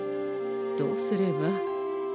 どうすれば。